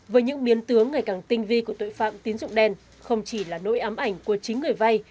với những biến tướng ngày càng tinh vi của tội phạm tín dụng đen không chỉ là nỗi ám ảnh của chính người vay